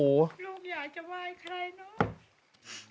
ลูกอยากจะไหว้ใครเนอะ